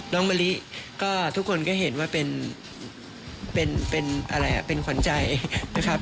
น้องมะลิก็ทุกคนก็เห็นว่าเป็นขวัญใจนะครับ